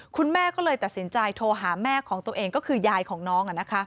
คุณแม่ก็เลยตัดสินใจโทรหาแม่ของตัวเองก็คือยายของน้อง